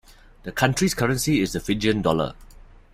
The country's currency is the Fijian dollar.